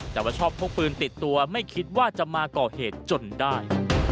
แต่ว่าชอบพกปืนติดตัวไม่คิดว่าจะมาก่อเหตุจนได้